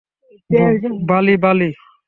বালি, বালি।